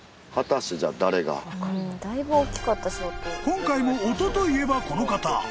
［今回も音といえばこの方］